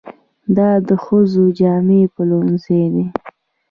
دا د ښځو جامې پلورنځی دی.